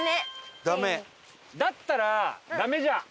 「だったらダメじゃん」？